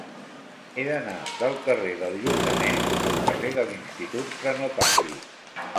He d'anar del carrer del Lluçanès al carrer de l'Institut Frenopàtic.